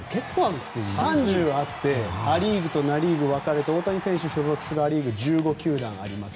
３０あってア・リーグとナ・リーグ分かれて大谷選手が所属するア・リーグ１５球団あります。